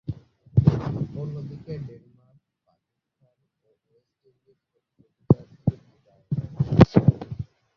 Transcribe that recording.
অন্যদিকে, ডেনমার্ক, পাকিস্তান ও West Indies প্রতিযোগিতা থেকে বিদায় নেয়।